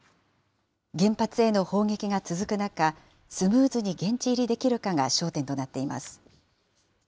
原発への砲撃が続く中、スムーズに現地入りできるかが焦点となっています。